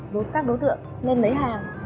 với các đối tượng lên lấy hàng